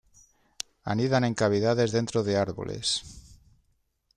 Anidan en cavidades dentro de árboles.